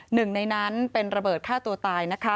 หนึ่งในนั้นเป็นระเบิดฆ่าตัวตายนะคะ